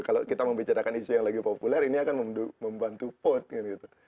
kalau kita membicarakan isu yang lagi populer ini akan membantu port kan gitu